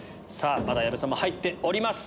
まだ矢部さんも入っております。